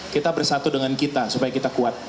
kita bersatu dengan kita supaya kita kuat